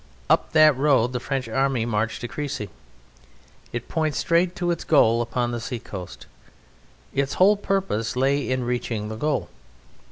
Up that road the French Army marched to Crécy. It points straight to its goal upon the sea coast. Its whole purpose lay in reaching the goal.